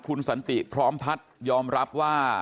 คุณสันติพร้อมพัฒน์ยอมรับว่า